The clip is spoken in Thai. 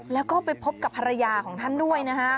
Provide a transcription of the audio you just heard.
แล้วก็ไปพบกับภรรยาของท่านด้วยนะฮะ